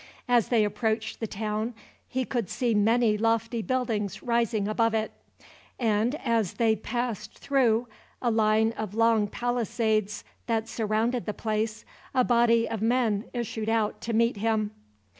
As they approached the town he could see many lofty buildings rising above it; and, as they passed through a line of long palisades that surrounded the place, a body of men issued out to meet him.